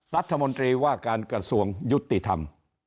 รัฐมนตรีว่าการกระทรวงยุติธรรม